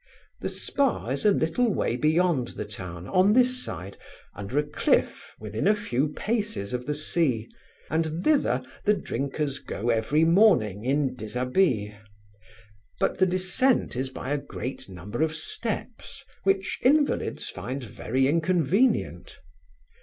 The Spa is a little way beyond the town, on this side, under a cliff, within a few paces of the sea, and thither the drinkers go every morning in dishabille; but the descent is by a great number of steps, which invalids find very inconvenient.